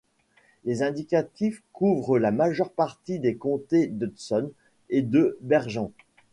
Les indicatifs couvrent la majeure partie des comtés d'Hudson et de Bergen.